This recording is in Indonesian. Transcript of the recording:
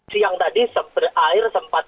siang tadi air sempat